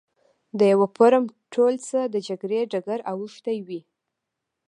د یوه فورم ټول څه د جګړې ډګر اوښتی وي.